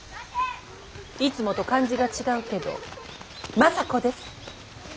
いつもと感じが違うけど政子です。